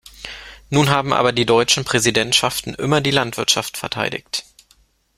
Nun haben aber die deutschen Präsidentschaften immer die Landwirtschaft verteidigt.